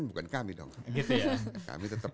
bukan kami dong kami tetap